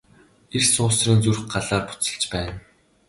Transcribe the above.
Эр суусрын зүрх Галаар буцалж байна.